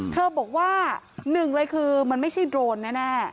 เธอบอกว่าหนึ่งเลยคือมันไม่ใช่โดรนแน่